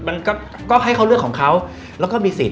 มันก็ก็ให้เขาเลือกของเขาแล้วก็มีสิทธ